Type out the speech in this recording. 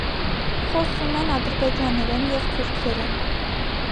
Խոսում են ադրբեջաներեն և թուրքերեն։